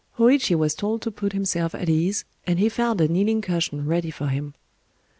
Hōïchi was told to put himself at ease, and he found a kneeling cushion ready for him.